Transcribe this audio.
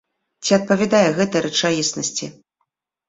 Ці адпавядае гэта рэчаіснасці?